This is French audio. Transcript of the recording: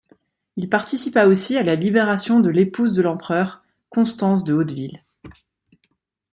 Il participa aussi à la libération de l'épouse de l'empereur, Constance de Hauteville.